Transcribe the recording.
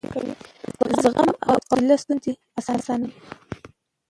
زغم او حوصله ستونزې اسانه کوي.